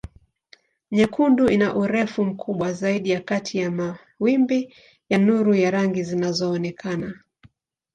Nyekundu ina urefu mkubwa zaidi kati ya mawimbi ya nuru ya rangi zinazoonekana.